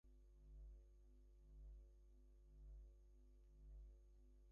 The name Castroreale comes from Latin, and means "royal fortress".